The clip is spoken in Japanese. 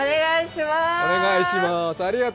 お願いします。